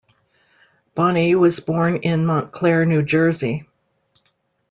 Bonney was born in Montclair, New Jersey.